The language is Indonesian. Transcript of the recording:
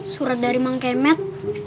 surat dari mang kemet